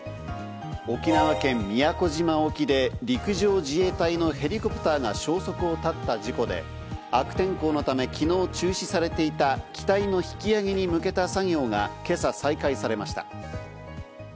沖縄県宮古島沖で陸上自衛隊のヘリコプターが消息を絶った事故で、悪天候のため、昨日中止されていた機体の引き揚げに向けた作業が今朝、再開されました。